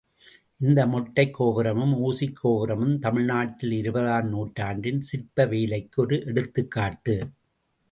இந்த மொட்டைக் கோபுரமும் ஊசிக் கோபுரமும் தமிழ்நாட்டில் இருபதாம் நூற்றாண்டின் சிற்ப வேலைக்கு ஒரு எடுத்துக்காட்டு!